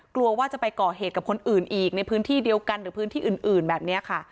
กลัวว่าจะไปก่อเหตุกับคนอื่นอีกในพื้นที่เดียวกันหรือพื้นที่อื่นแบบนี้ค่ะ